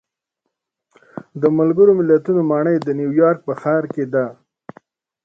د ملګرو ملتونو ماڼۍ د نیویارک په ښار کې ده.